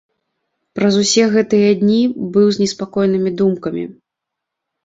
Праз усе гэтыя дні быў з неспакойнымі думкамі.